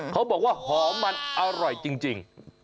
เขาบอกว่าหอมมันอร่อยจริง